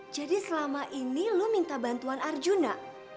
jadi selama ini lo minta bantuan arjuna